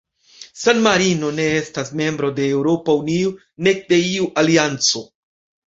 San-Marino ne estas membro de Eŭropa Unio, nek de iu alianco.